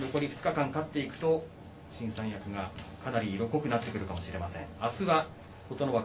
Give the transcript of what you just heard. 残り２日間、勝っていくと新三役が、かなり色濃くなってくるかもしれません。